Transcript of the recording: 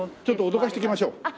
ちょっとおどかしてきましょう。